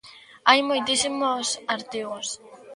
Hai moitísimos artigos.